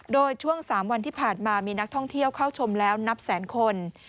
โดยช่วง๓วันที่ผ่านมามีนักท่องเที่ยวเข้าชมแล้วนับแสนคน